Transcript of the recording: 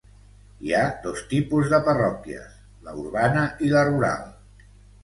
Hi ha dos tipus de parròquies: la urbana i la rural.